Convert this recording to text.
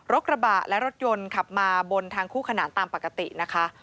กระบะและรถยนต์ขับมาบนทางคู่ขนานตามปกตินะคะ